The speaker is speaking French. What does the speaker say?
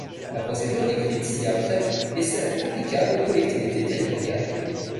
La procédure décrite ci-après est celle applicable aux collectivités territoriales.